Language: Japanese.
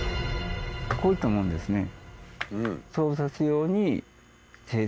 こういったものですね。